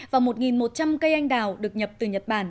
và một một trăm linh cây anh đào được nhập từ nhật bản